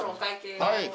はい。